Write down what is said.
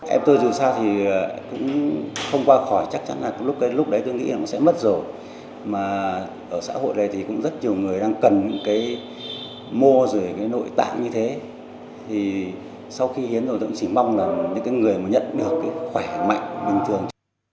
em tôi dù sao thì cũng không qua khỏi chắc chắn là lúc ấy lúc đấy tôi nghĩ là nó sẽ mất rồi mà ở xã hội này thì cũng rất nhiều người đang cần những cái mô rồi cái nội tạng như thế thì sau khi hiến rồi tôi cũng chỉ mong là những cái người mà nhận được cái khỏe mạnh bình thường